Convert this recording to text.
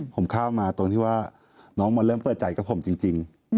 ผมเข้ามาตรงที่ว่าน้องมาเริ่มเปิดใจกับผมจริง